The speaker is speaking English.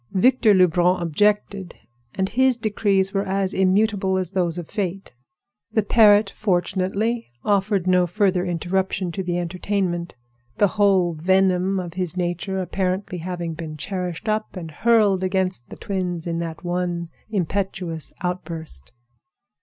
Victor Lebrun objected; and his decrees were as immutable as those of Fate. The parrot fortunately offered no further interruption to the entertainment, the whole venom of his nature apparently having been cherished up and hurled against the twins in that one impetuous outburst.